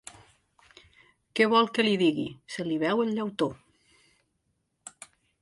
Què vol que li digui, se li veu el llautó.